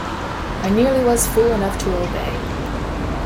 I nearly was fool enough to obey.